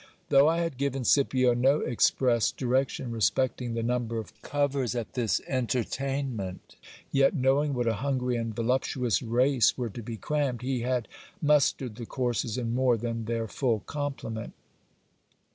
Though I had given Scipio no express direction respecting the number of covers at this entertainment, yet GIL BLAS ENTERTAINS A COMPANY OF AUTHORS. 299 knowing what a hungry and voluptuous race were to be crammed, he had mus tered the courses in more than their full complement.